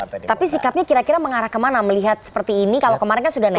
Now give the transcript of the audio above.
tapi sikapnya kira kira mengarah kemana melihat seperti ini kalau kemarin kan sudah naik